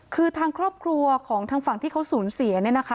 คือทางครอบครัวของทางฝั่งที่เขาสูญเสียเนี่ยนะคะ